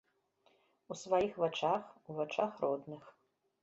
У сваіх вачах, у вачах родных.